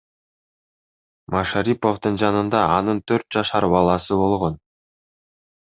Машариповдун жанында анын төрт жашар баласы болгон.